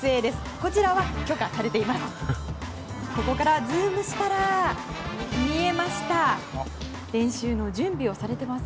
こちらは許可されています。